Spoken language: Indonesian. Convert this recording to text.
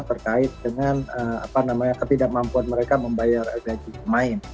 terkait dengan ketidakmampuan mereka membayar gaji pemain